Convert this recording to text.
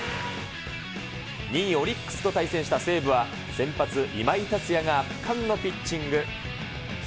２位、オリックスと対戦した西武は先発、今井達也が圧巻のピッチング。